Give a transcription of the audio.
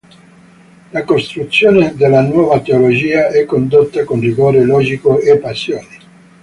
La costruzione della nuova teologia è condotta con rigore logico e passione.